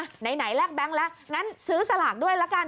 ไหนแลกแบงค์แล้วงั้นซื้อสลากด้วยละกัน